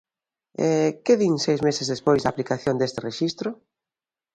E ¿que din seis meses despois da aplicación deste rexistro?